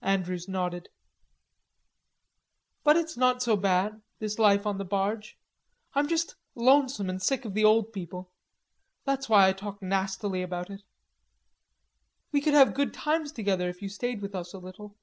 Andrews nodded. "But it's not so bad, this life on the barge. I'm just lonesome and sick of the old people. That's why I talk nastily about it.... We could have good times together if you stayed with us a little."